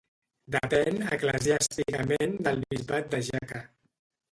Depèn eclesiàsticament del Bisbat de Jaca.